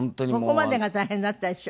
ここまでが大変だったでしょ？